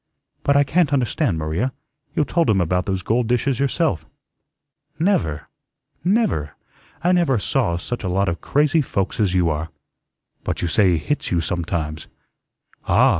"But I can't understand, Maria; you told him about those gold dishes yourself." "Never, never! I never saw such a lot of crazy folks as you are." "But you say he hits you sometimes." "Ah!"